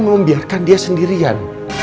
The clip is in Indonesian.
kamu membiarkan dia sendirian